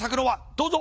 どうぞ。